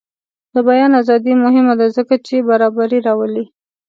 د بیان ازادي مهمه ده ځکه چې برابري راولي.